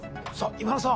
今田さん